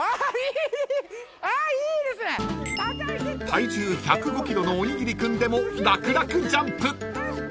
［体重１０５ｋｇのおにぎり君でも楽々ジャンプ］